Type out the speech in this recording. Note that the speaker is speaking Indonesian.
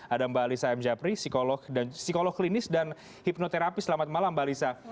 ada mba lisa m japri psikolog klinis dan hipnoterapi selamat malam mba lisa